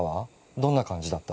どんな感じだった？